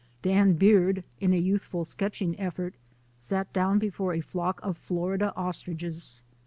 Dan Beard, in a youthful sketching effort, sat down before a flock of Florida ostriches.